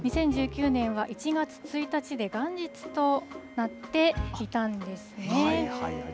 ２０１９年は１月１日で元日となっていたんですね。